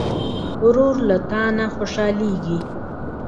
ورور له تا نه خوشحالېږي.